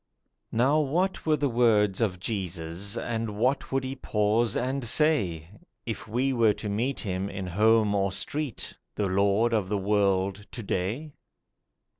NOW what were the words of Jesus, And what would He pause and say, If we were to meet in home or street, The Lord of the world to day?